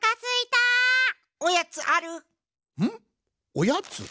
おやつ？